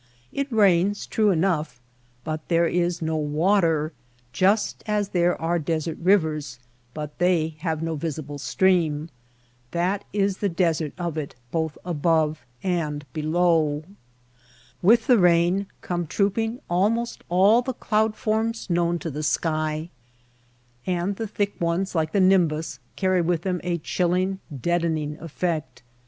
It rains, true enough, but there is no water, just as there are desert rivers, but they have no visible stream. That is the desert of it both above and below. With the rain come trooping almost all the cloud forms known to the sky. And the thick ones like the nimbus carry with them a chilling, deadening effect.